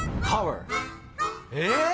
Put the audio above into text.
えっ？